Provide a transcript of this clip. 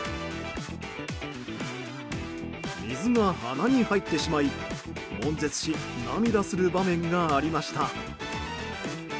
水が鼻に入ってしまい悶絶し涙する場面がありました。